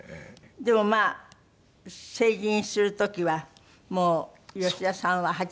でもまあ成人する時はもう吉田さんは８０ぐらいになって。